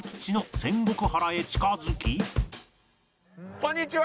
こんにちは！